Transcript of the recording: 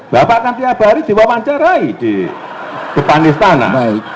bapak kan tiap hari diwawancarai di depan istana